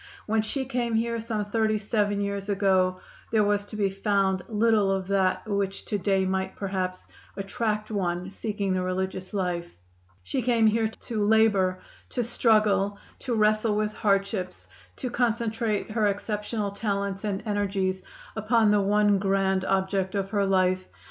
When she came here, some thirty seven years ago, there was to be found little of that which to day might, perhaps, attract one seeking the religious life. She came here to labor, to struggle, to wrestle with hardships, to concentrate her exceptional talents and energies upon the one grand object of her life.